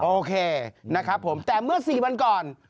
โอเคนะครับผมแต่เมื่อ๔วันก่อน